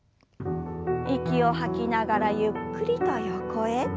息を吐きながらゆっくりと横へ。